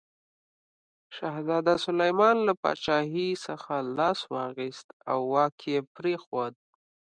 شهزاده سلیمان له پاچاهي څخه لاس واخیست او واک یې پرېښود.